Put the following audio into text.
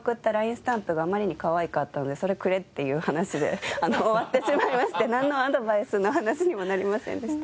スタンプがあまりにかわいかったのでそれくれっていう話で終わってしまいましてなんのアドバイスの話にもなりませんでした。